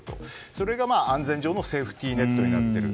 それが安全上のセーフティーネットになっている。